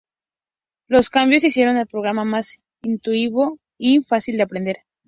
Los cambios hicieron al programa más intuitivo y fácil de aprender.